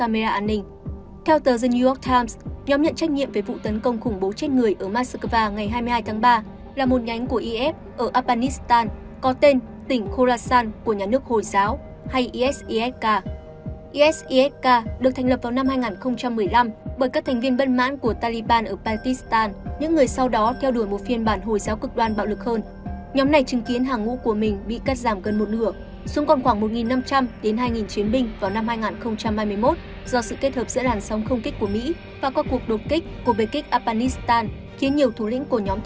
mỹ đã có thông tin về một cuộc tấn công khủng bố đã được lên kế hoạch của moskva có khả năng nhắm vào các cuộc tụ họp lớn